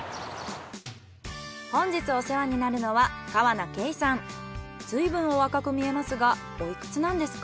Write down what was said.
本日お世話になるのはずいぶんお若く見えますがおいくつなんですか？